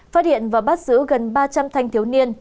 phát hiện và bắt giữ gần ba trăm linh thanh thiếu niên